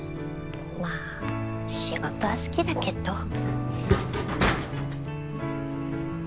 まぁ仕事は好きだけど。